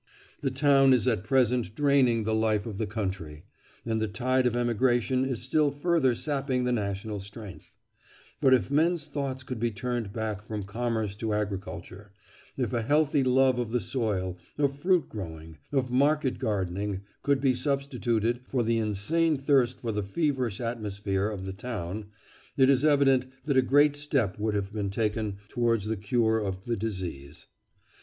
The town is at present draining the life of the country, and the tide of emigration is still further sapping the national strength; but if men's thoughts could be turned back from commerce to agriculture, if a healthy love of the soil, of fruit growing, of market gardening, could be substituted for the insane thirst for the feverish atmosphere of the town, it is evident that a great step would have been taken towards the cure of the disease.